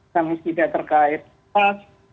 femisida terkait pas